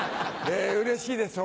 うれしいです